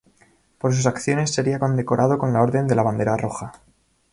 Por sus acciones sería condecorado con la Orden de la Bandera Roja.